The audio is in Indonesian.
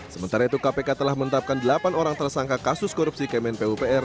sementara itu kpk telah menetapkan delapan orang tersangka kasus korupsi kemen pupr